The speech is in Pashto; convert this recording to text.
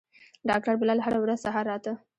ډاکتر بلال هره ورځ سهار راته.